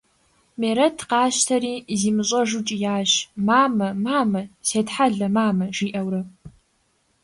Мерэт къащтэри зимыщӀэжу кӀиящ: – Мамэ, мамэ! Сетхьэлэ, мамэ! – жиӀэурэ.